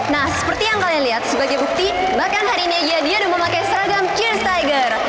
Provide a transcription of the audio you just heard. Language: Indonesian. nah seperti yang kalian lihat sebagai bukti bahkan hari ini aja dia udah memakai seragam cheers tiger